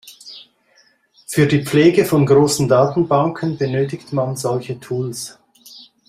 Für die Pflege von großen Datenbanken benötigt man solche Tools.